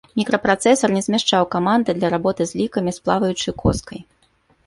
Мікрапрацэсар не змяшчаў каманды для работы з лікамі з плаваючай коскай.